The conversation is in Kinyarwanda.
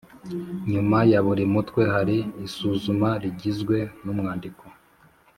Nyuma ya buri mutwe hari isuzuma rigizwe n’umwandiko